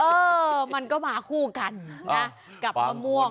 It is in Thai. เออมันก็มาคู่กันนะกับมะม่วง